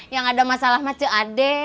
yang ada masalah ma ce ade